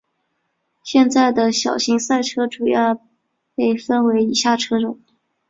现在的小型赛车主要被分为以下车种。